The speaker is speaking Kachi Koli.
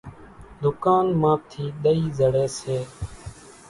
ۮُڪانَ مان ٿِي ۮئِي زڙيَ سي۔